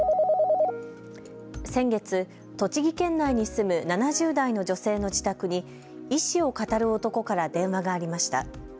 先月、栃木県内に住む７０代の女性の自宅に医師をかたる男から電話がありました。